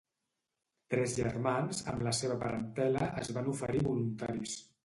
Tres germans, amb la seva parentela, es van oferir voluntaris.